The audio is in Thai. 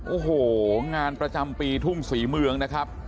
โอ้โหงานประจำปีทุ่งศรีเมืองนะครับ